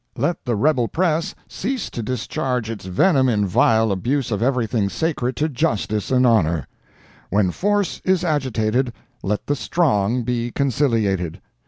Let the rebel press cease to discharge its venom in vile abuse of everything sacred to justice and honor. When force is agitated let the strong be conciliated.